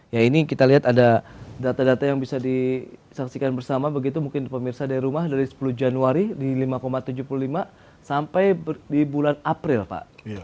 ya ini kita lihat ada data data yang bisa disaksikan bersama begitu mungkin pemirsa dari rumah dari sepuluh januari di lima tujuh puluh lima sampai di bulan april pak